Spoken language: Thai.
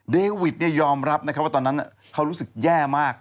เดวิทยอมรับว่าตอนนั้นเขารู้สึกแย่มาก